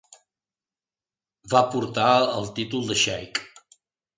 Va portar el títol de xeic.